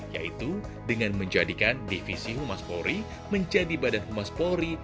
yaitu dengan menjadikan divisi humas polri menjadi badan humas polri